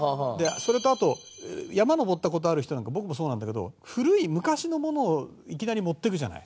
あと山登った事ある人なんかは僕もそうなんだけど古い昔のものをいきなり持っていくじゃない？